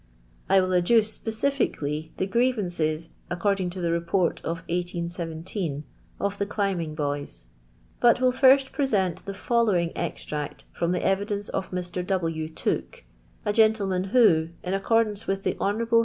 j I will adduce, specifically, the grievances, ac cording to the Report of 1817, of the climbing boys; but will first pre.^nt the following extract from the evidence of Mr. W, Tooke, a gentleman who, in accordance with the Kon.